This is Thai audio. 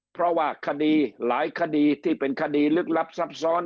เพราะว่าคดีหลายคดีที่เป็นคดีลึกลับซับซ้อน